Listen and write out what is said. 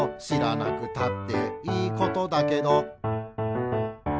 「しらなくたっていいことだけど」